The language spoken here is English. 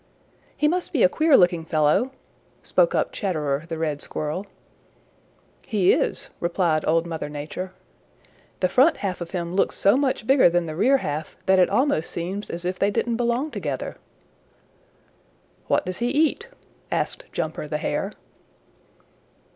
"He must be a queer looking fellow," spoke up Chatterer the Red Squirrel. "He is," replied Old Mother Nature. "The front half of him looks so much bigger than the rear half that it almost seems as if they didn't belong together." "What does he eat?" asked Jumper the Hare.